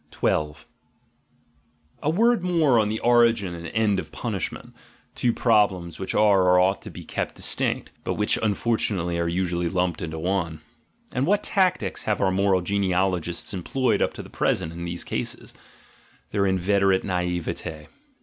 — 12. A word more on the origin and end of punishment — two problems which are or ought to be kept distinct, but which unfortunately are usually lumped into one. And what tactics have our moral genealogists employed up to the present in these cases? Their inveterate naivete.